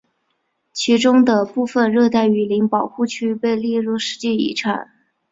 其中的部分热带雨林保护区被列入世界遗产。